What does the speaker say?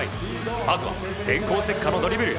まずは電光石火のドリブル。